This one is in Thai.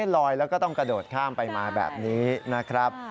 ลอยแล้วก็ต้องกระโดดข้ามไปมาแบบนี้นะครับ